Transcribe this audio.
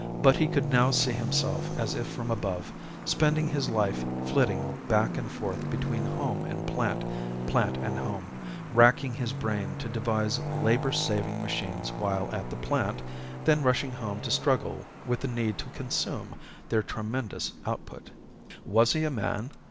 But he could now see himself as if from above, spending his life flitting back and forth between home and plant, plant and home; wracking his brain to devise labor saving machines while at the plant, then rushing home to struggle with the need to consume their tremendous output. Was he a man?